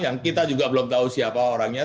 yang kita juga belum tahu siapa orangnya